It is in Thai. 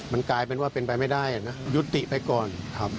มันกลายเป็นว่าเป็นไปไม่ได้นะยุติไปก่อนครับ